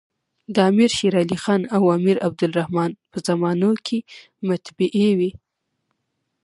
د امیر شېرعلي خان او امیر عبدالر حمن په زمانو کي مطبعې وې.